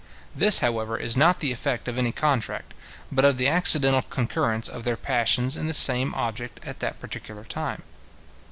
This, however, is not the effect of any contract, but of the accidental concurrence of their passions in the same object at that particular time.